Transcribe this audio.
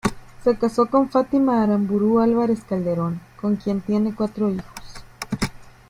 Se casó con Fátima Aramburú Álvarez Calderón, con quien tiene cuatro hijos.